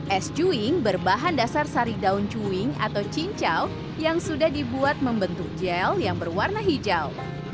es cuing berbahan dasar sari daun cuing atau cincau yang sudah dibuat membentuk gel yang berwarna hijau